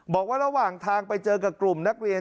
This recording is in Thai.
บอกว่าระหว่างทางไปเจอกับกลุ่มนักเรียน